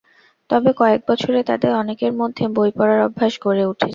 তবে কয়েক বছরে তাঁদের অনেকের মধ্যে বই পড়ার অভ্যাস গড়ে উঠেছে।